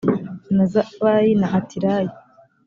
na zabayi na atilayi